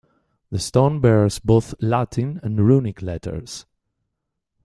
The stone bears both Latin and Runic letters.